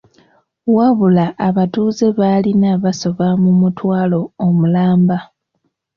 Wabula abatuuze b'alina basoba mu mutwalo omulamba.